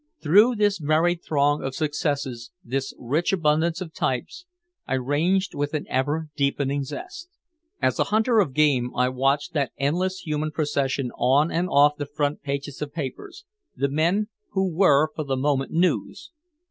Through this varied throng of successes, this rich abundance of types, I ranged with an ever deepening zest. As a hunter of game I watched that endless human procession on and off the front pages of papers, the men who were for the moment news.